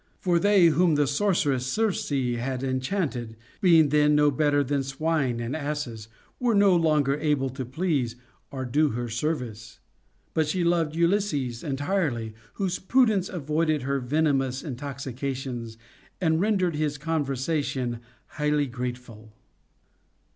For they whom the sorceress Circe had enchanted, being then no better than swine and asses, were no longer able to please or do her service. But she loved Ulysses entirely, whose prudence avoided her venomous intoxica tions and rendered his conversation highly grateful.